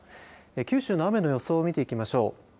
九州の雨の予想を見ていきましょう。